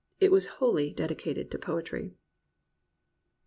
It was wholly dedicated to poetry.